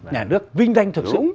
nhà nước vinh danh thực sự